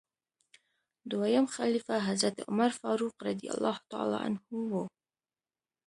دویم خلیفه حضرت عمر فاروق رض و.